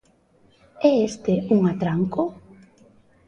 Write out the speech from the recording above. ¿É este un atranco?